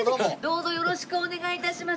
どうぞよろしくお願い致します。